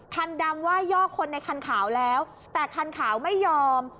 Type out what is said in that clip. คันดำว่าย่อคนในคันขาวแล้วแต่คันขาวไม่ยอม